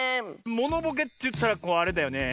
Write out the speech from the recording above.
モノボケといったらあれだよね。